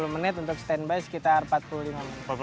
tiga puluh menit untuk stand by sekitar empat puluh lima menit